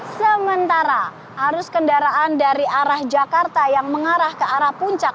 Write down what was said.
sementara arus kendaraan dari arah jakarta yang mengarah ke arah puncak